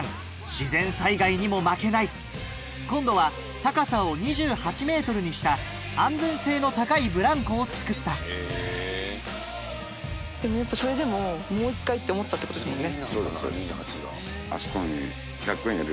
自然災害にも負けない今度は高さを２８ｍにした安全性の高いブランコを造ったそれでももう１回って思ったってことですもんね。